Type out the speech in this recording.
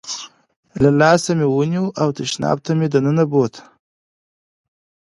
له لاسه مې ونیو او تشناب ته مې دننه بوت.